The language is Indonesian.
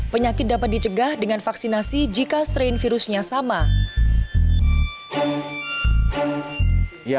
penyakit dapat dicegah dengan vaksinasi jika strain virusnya sama